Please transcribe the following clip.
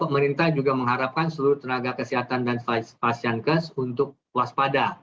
pemerintah juga mengharapkan seluruh tenaga kesehatan dan pasienkes untuk waspada